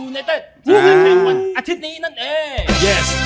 ในการแข่งวันอาทิตย์นี้นั่นเอง